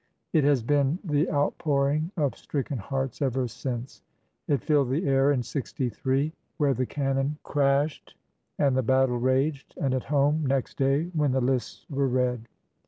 It has been the outpouring of stricken hearts ever since. It filled the air in '63, — where the cannon clashed and the battle raged, and at home next day when the lists were read.